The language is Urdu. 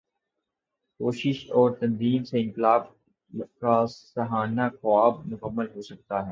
کوشش اور تنظیم سے انقلاب کا سہانا خواب مکمل ہو سکتا ہے۔